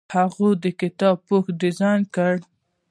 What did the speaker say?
هغه د کتاب پوښ ډیزاین کړ.